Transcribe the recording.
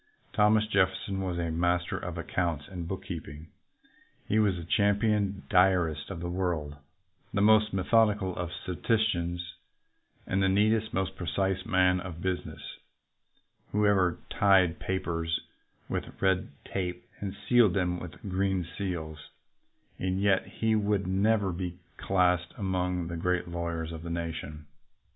Thomas Jeffer son was a master of accounts and bookkeeping. He was the champion diarist of the world, the most methodical of statisticians, and the neatest, most precise "man of business" who ever tied papers with red tape and sealed them with green seals ; and yet he will never be classed among the great lawyers of the nation.